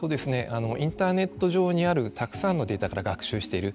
インターネット上にあるたくさんのデータから学習している。